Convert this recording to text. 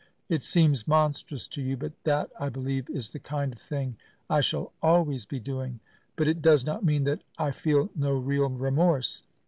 It seems monstrous to you, but that, I believe, is the kind of thing I shall always be doing. But it does not mean that I feel no real remorse.